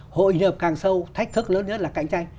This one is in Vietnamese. hội nhập càng sâu thách thức lớn nhất là cạnh tranh